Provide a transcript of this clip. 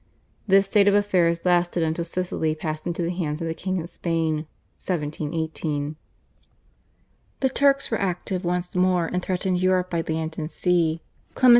This state of affairs lasted until Sicily passed into the hands of the King of Spain (1718). The Turks were active once more and threatened Europe by land and sea. Clement XI.